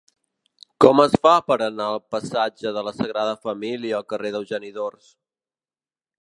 Com es fa per anar del passatge de la Sagrada Família al carrer d'Eugeni d'Ors?